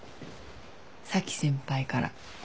咲先輩から。